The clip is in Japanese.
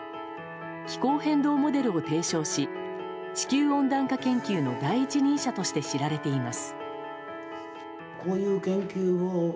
気候変動モデルを提唱し地球温暖化研究の第一人者として知られています。